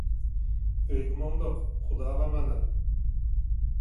ئۆيگە ماڭدۇق، خۇداغا ئامانەت!